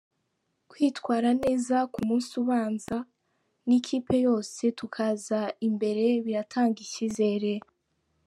Kwitwara neza ku munsi ubanza n’ikipe yose tukaza imbere biratanga icyizere.